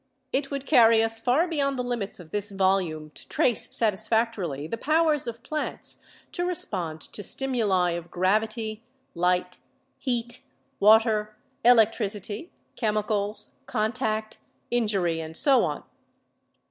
It would carry. us far beyond the limits of this volume to trace satisfactorily the powers of plants to respond to stimuli of gravity, light, heat, water, electricity, chemicals, contact, injury and so on.